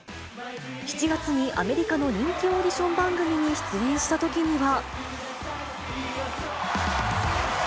７月にアメリカの人気オーディション番組に出演したときには。